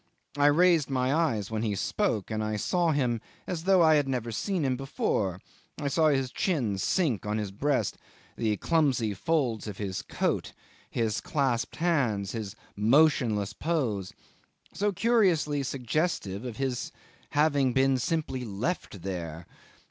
I raised my eyes when he spoke, and I saw him as though I had never seen him before. I saw his chin sunk on his breast, the clumsy folds of his coat, his clasped hands, his motionless pose, so curiously suggestive of his having been simply left there.